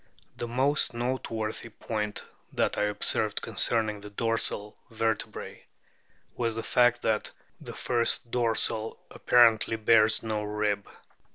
The most note worthy point that I observed concerning the dorsal vertebrae was the fact that the first dorsal apparently bears no rib.